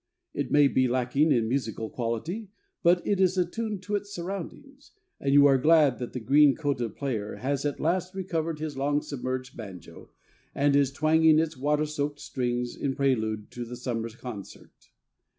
It may be lacking in musical quality, but it is attuned to its surroundings, and you are glad that the green coated player has at last recovered his long submerged banjo, and is twanging its water soaked strings in prelude to the summer concert.